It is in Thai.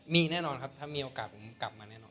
มีแน่นอนครับถ้ามีโอกาสผมกลับมาแน่นอน